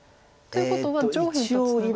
ということは上辺とツナがる。